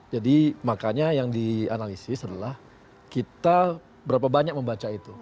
jadi makanya yang dianalisis adalah kita berapa banyak membaca itu